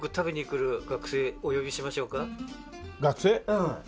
うん。